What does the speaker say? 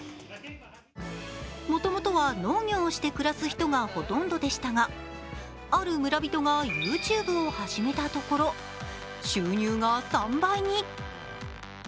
もともとは農業をして暮らす人がほとんどでしたがある村人が、ＹｏｕＴｕｂｅを始めたところ、収入が３倍に。